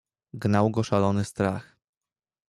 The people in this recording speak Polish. "Gnał go szalony strach."